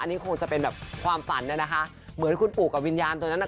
อันนี้คงจะเป็นแบบความฝันนะคะเหมือนคุณปู่กับวิญญาณตัวนั้นน่ะ